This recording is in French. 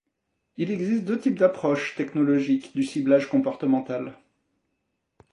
Il existe deux types d'approches technologiques du ciblage comportemental.